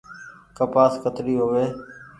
ڪپآس ڪتري هووي ۔